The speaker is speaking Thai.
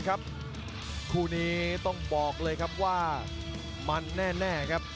คุณผู้หญิงคุณผู้หญิง